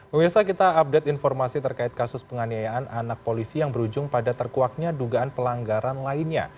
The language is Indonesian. pemirsa kita update informasi terkait kasus penganiayaan anak polisi yang berujung pada terkuaknya dugaan pelanggaran lainnya